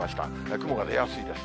雲が出やすいです。